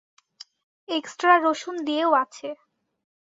Extra রসুন দিয়েও আছে।